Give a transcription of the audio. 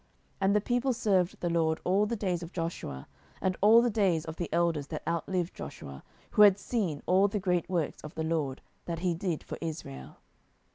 07:002:007 And the people served the LORD all the days of Joshua, and all the days of the elders that outlived Joshua, who had seen all the great works of the LORD, that he did for Israel.